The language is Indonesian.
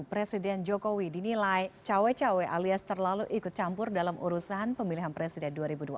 presiden jokowi dinilai cawe cawe alias terlalu ikut campur dalam urusan pemilihan presiden dua ribu dua puluh